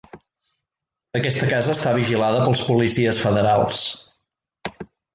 Aquesta casa està vigilada pels policies federals.